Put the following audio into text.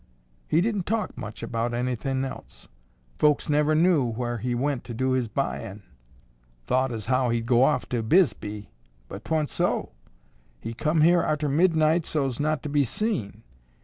He didn't talk much about anythin' else. Folks never knew whar he went to do his buyin'; thot as how he'd go off to Bisbee, but 'twa'n't so. He come here arter midnight so's not to be seen.